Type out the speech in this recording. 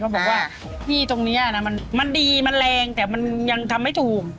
บอกว่าที่ตรงนี้นะมันดีมันแรงแต่มันยังทำไม่ถูก